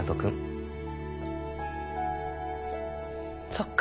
そっか。